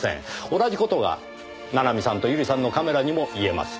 同じ事が七海さんと百合さんのカメラにも言えます。